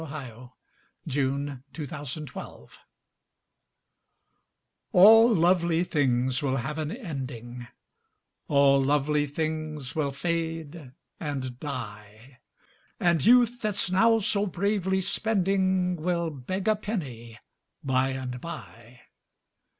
Conrad Aiken All Lovely Things ALL lovely things will have an ending, All lovely things will fade and die, And youth, that's now so bravely spending, Will beg a penny by and by.